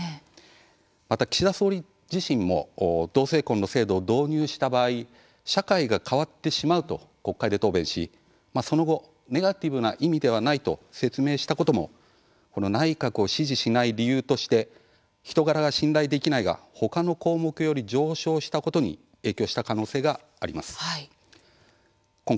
また岸田総理自身も同性婚の制度を導入した場合社会が変わってしまうと国会で答弁し、その後ネガティブな意味ではないと説明したことも内閣を支持しない理由として人柄が信頼できないが他の項目より上昇したことに影響した可能性があります。